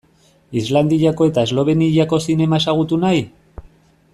Islandiako eta Esloveniako zinema ezagutu nahi?